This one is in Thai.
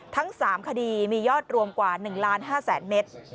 ทั้ง๓คดีมียอดรวมกว่า๑๕๐๐๐เมตร